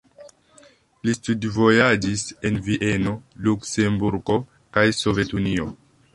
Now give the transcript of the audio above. Li studvojaĝis en Vieno, Luksemburgo kaj Sovetunio.